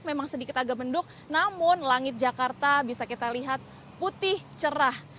memang sedikit agak mendung namun langit jakarta bisa kita lihat putih cerah